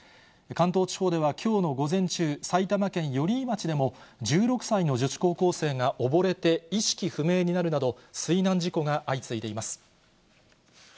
関東地方では、きょうの午前中、埼玉県寄居町でも１６歳の女子高校生が溺れて、意識不明になるなど、水難事故が相次いでいます。